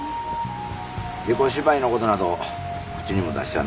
木偶芝居のことなど口にも出してはならんぞ。